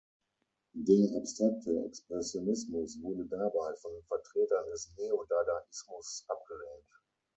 Der abstrakte Expressionismus wurde dabei von den Vertretern des Neo-Dadaismus abgelehnt.